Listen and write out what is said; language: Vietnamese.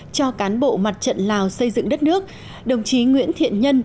cho cán bộ mặt trận lào xây dựng đất nước đồng chí nguyễn thiện nhân